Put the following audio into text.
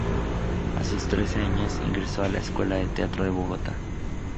A sus trece años, ingresó a la Escuela de Teatro de Bogotá.